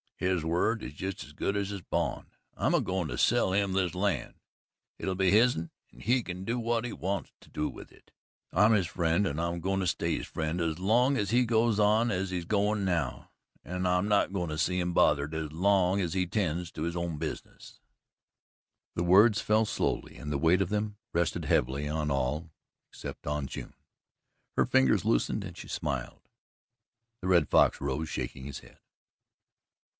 His word is just as good as his bond. I'm a goin' to sell him this land. It'll be his'n, an' he can do what he wants to with it. I'm his friend, and I'm goin' to stay his friend as long as he goes on as he's goin' now, an' I'm not goin' to see him bothered as long as he tends to his own business." The words fell slowly and the weight of them rested heavily on all except on June. Her fingers loosened and she smiled. The Red Fox rose, shaking his head.